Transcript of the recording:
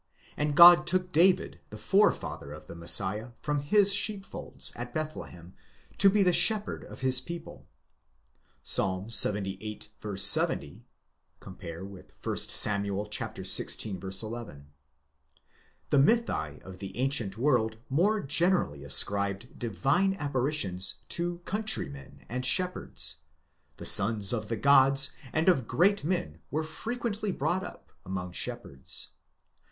and God took David, the forefather of the Messiah, from his sheepfolds (at Bethlehem), to be the shep herd of his people. Psalm Ixxvill. 70 (comp. 1 Sam. xvi. 11). The mythi of the ancient world more generally ascribed divine apparitions to country men? and shepherds 1"; the sons of the gods, and of great men were fre quently brought up among shepherds.